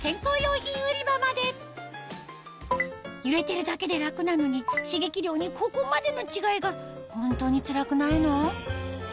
揺れてるだけで楽なのに刺激量にここまでの違いがホントにつらくないの？